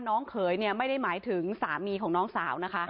น้องเขยไม่ได้หมายถึงสามีของน้องสาว